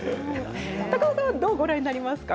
高尾さんは、どうご覧になりますか？